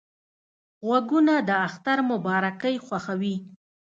غوږونه د اختر مبارکۍ خوښوي